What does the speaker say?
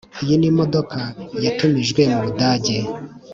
iyi ni imodoka yatumijwe mu budage